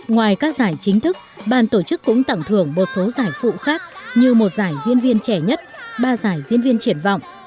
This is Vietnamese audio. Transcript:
ngoài các giải chính thức ban tổ chức cũng tặng thưởng một số giải phụ khác như một giải diễn viên trẻ nhất ba giải diễn viên triển vọng